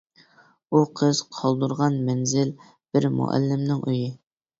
ئۇ قىز قالدۇرغان مەنزىل بىر مۇئەللىمنىڭ ئۆيى.